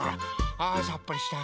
あさっぱりした。